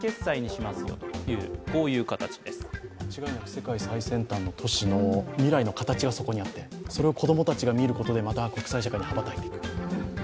世界最先端の都市の未来の形がそこにあってそれを子供たちが見ることで、また国際社会に羽ばたいていく。